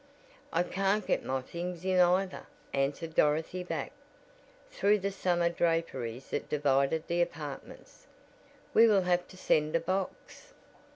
"I can't get my things in either," answered Dorothy back, through the summer draperies that divided the apartments. "We will have to send a box."